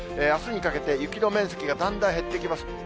あすにかけて、雪の面積がだんだん減ってきます。